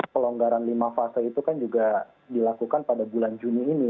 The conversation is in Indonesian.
pelonggaran lima fase itu kan juga dilakukan pada bulan juni ini